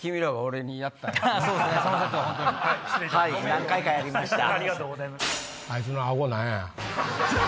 何回かやりました。